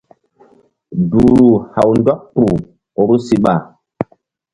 Duhru haw ndɔk kpuh vbu siɓa.